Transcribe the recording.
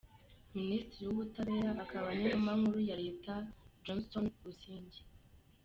Minisitiri w’Ubutabera akaba n’Intumwa Nkuru ya Leta, Johnston Busingye.